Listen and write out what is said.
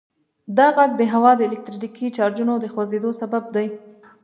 دا غږ د هوا د الکتریکي چارجونو د خوځیدو سبب دی.